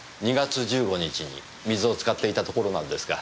２月１５日に水を使っていたところなんですが。